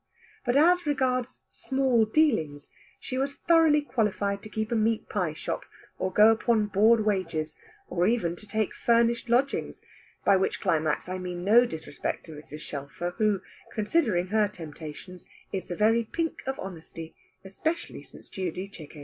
But as regards small dealings, she was thoroughly qualified to keep a meat pie shop, or go upon board wages, or even to take furnished lodging: by which climax I mean no disrespect to Mrs. Shelfer, who (considering her temptations) is the very pink of honesty, especially since Giudice can.